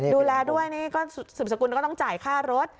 ดูแลด้วยนี่ก็สืบสกุลก็ต้องจ่ายค่ารถ